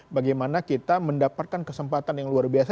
bagaimana kita mendapatkan kesempatan yang luar biasa